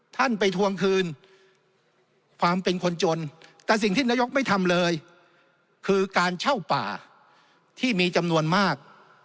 ท่านไปทวงคืนความเป็นคนจนแต่สิ่งที่นายกไม่ทำเลยคือการเช่าป่าที่มีจำนวนมาก